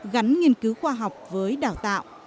gắn nghiên cứu khoa học với đào tạo